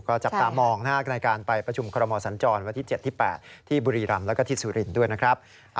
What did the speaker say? ก็จับตามองหน้ากันในการไปประชุมคลมสัญจรณ์วันที่๗๘ที่บุรีรำและก็ที่สุรินด้วยนะครับ